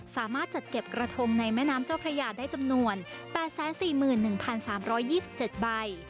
สามารถจัดเก็บกระทงในแม่น้ำเจ้าพระยาได้จำนวน๘๔๑๓๒๗ใบ